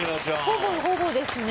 ほぼほぼですね。